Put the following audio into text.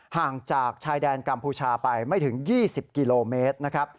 ห่างจากชายแดนกัมพูชาไปไม่ถึง๒๐กิโลเมตรนะครับ